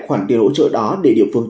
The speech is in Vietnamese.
khoản tiền hỗ trợ đó để địa phương